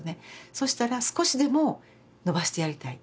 そしたら少しでものばしてやりたい。